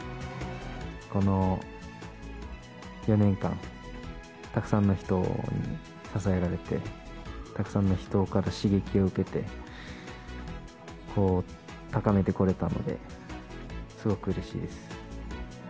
この４年間、たくさんの人に支えられて、たくさんの人から刺激を受けて、高めてこれたので、すごくうれしいです。